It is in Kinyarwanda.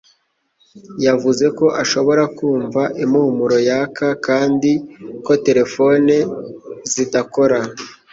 Yavuze ko ashobora kumva impumuro yaka kandi ko terefone zidakora